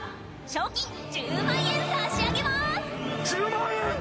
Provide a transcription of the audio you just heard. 賞金１０万円差し上げます。